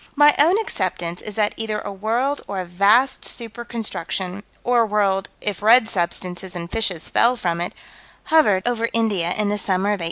My own acceptance is that either a world or a vast super construction or a world, if red substances and fishes fell from it hovered over India in the summer of 1860.